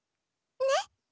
ねっ。